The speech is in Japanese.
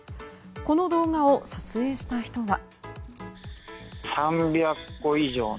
この動画を撮影した人は。